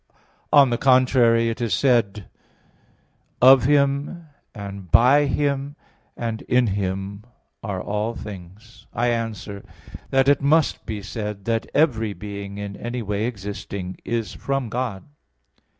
On the contrary, It is said (Rom. 11:36): "Of Him, and by Him, and in Him are all things." I answer that, It must be said that every being in any way existing is from God.